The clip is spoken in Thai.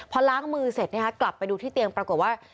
พอล้างมือเสร็จกลับไปดูที่เตียงปรากฏว่า